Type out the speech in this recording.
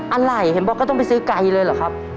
อะไรเห็นบอกก็ต้องไปซื้อไก่เลยเหรอครับ